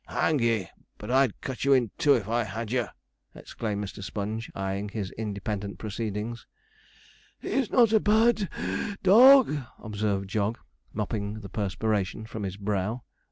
'Hang ye! but I'd cut you in two if I had you!' exclaimed Mr. Sponge, eyeing his independent proceedings. 'He's not a bad (puff) dog,' observed Jog, mopping the perspiration from his brow.